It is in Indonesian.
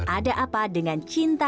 ada apa dengan cinta